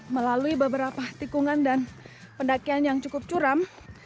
melalui beberapa tikungan dan pendakian yang cukup curam